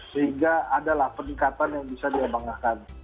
sehingga adalah peningkatan yang bisa diabanggakan